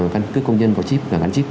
căn cức công dân có chip và gắn chip